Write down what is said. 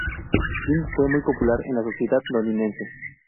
Quin fue muy popular en la sociedad londinense.